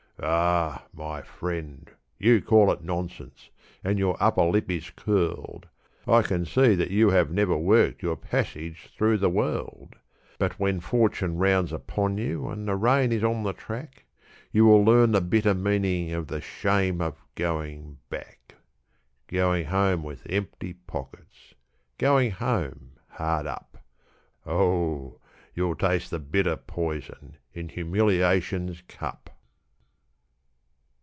Ah! my friend, you call it nonsense, and your upper lip is curled, I can see that you have never worked your passage through the world; But when fortune rounds upon you and the rain is on the track, You will learn the bitter meaning of the shame of going back; Going home with empty pockets, Going home hard up; Oh, you'll taste the bitter poison in humiliation's cup.